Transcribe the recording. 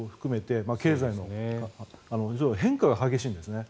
経済とかも変化が激しいんです。